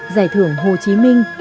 giải thưởng hồ chí minh